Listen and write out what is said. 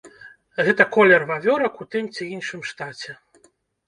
Гэта колер вавёрак у тым ці іншым штаце.